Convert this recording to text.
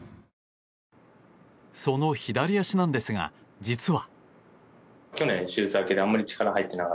その左足なんですが実は。